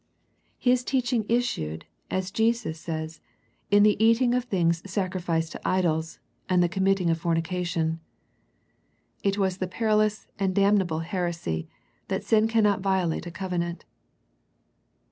His teaching issued, as Jesus says, in the eating of things sacrificed to idols, and the committing of fornication. It was the perilous and damnable heresy that sin cannot violate a covenant.